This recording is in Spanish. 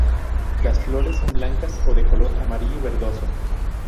Las flores son blancas o de color amarillo verdoso.